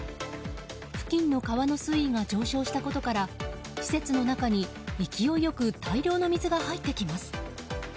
付近の川の水位が上昇したことから施設の中に勢いよく大量の水が入ってきます。